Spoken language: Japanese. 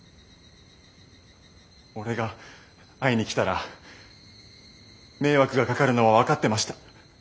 俺が会いに来たら迷惑がかかるのは分かってました。